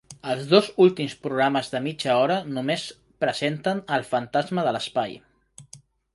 Els dos últims programes de mitja hora només presenten El Fantasma de l"Espai.